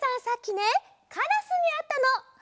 さっきねカラスにあったの。